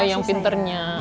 apakah kuda wilang tak masalah